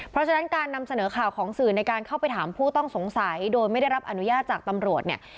เพราะฉะนั้นการนำเสนอข่าวของสื่อในการเข้าไปถามผู้ต้องสงสัยโดยไม่ได้รับอนุญาตจากตำรวจเนี่ย